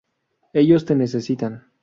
Ellos te necesitan